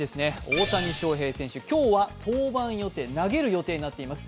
大谷翔平選手、今日は登板予定、投げる予定になっています。